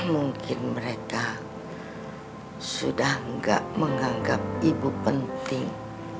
mungkin mereka sudah tidak menganggap ibu penting